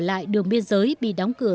lại đường biên giới bị đóng cửa